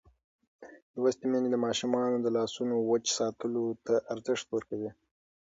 لوستې میندې د ماشومانو د لاسونو وچ ساتلو ته ارزښت ورکوي.